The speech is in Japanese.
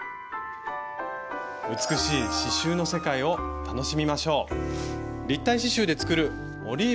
美しい刺しゅうの世界を楽しみましょう！